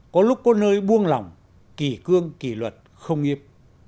có lúc có nơi buông lỏng kỳ cương kỳ luật không nghiệp